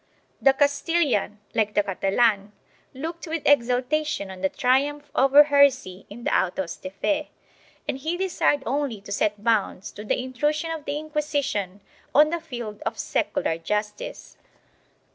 The Castilian, like the Catalan, looked with exultation on the triumph over heresy in the autos de f e, and he desired only to set bounds to the intrusion of the Inquisition on the field of secular justice.